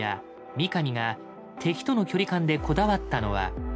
三上が敵との距離感でこだわったのは。